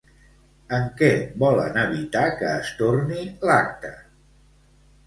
En què volen evitar que es torni l'acte?